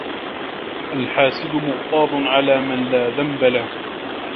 الْحَاسِدُ مُغْتَاظٌ عَلَى مَنْ لَا ذَنْبَ لَهُ